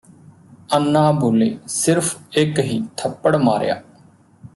ਅੰਨਾ ਬੋਲੇ ਸਿਰਫ ਇਕ ਹੀ ਥੱਪੜ ਮਾਰਿਆ